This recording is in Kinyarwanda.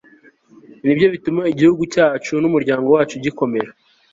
nibyo bituma igihugu cyacu - n'umuryango wacu gikomera